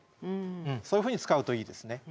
そういうふうに使うといいですね。